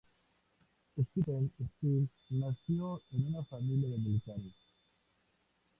Stephen Stills nació en una familia de militares.